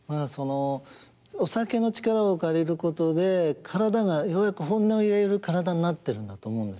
お酒の力を借りることで身体がようやく本音を言える身体になってるんだと思うんですよね。